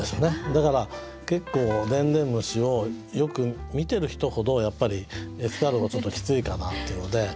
だから結構でんでん虫をよく見てる人ほどやっぱりエスカルゴちょっときついかなっていうので。